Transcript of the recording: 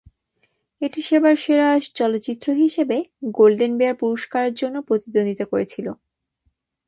এটি সেবার সেরা চলচ্চিত্র হিসেবে গোল্ডেন বেয়ার পুরস্কারের জন্য প্রতিদ্বন্দ্বিতা করেছিল।